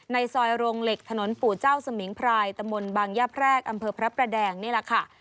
ในซอยโรงเหล็กถนนปู่เจ้าสมิงพรายตะมนต์บางย่าแพรกอำเภอพระประแดงนี่แหละค่ะ